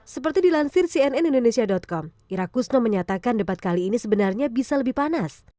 seperti dilansir cnn indonesia com ira kusno menyatakan debat kali ini sebenarnya bisa lebih panas